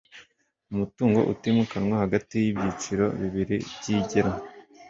Umutungo utimukanwa hagati y ibyiciro bibiri by igenwa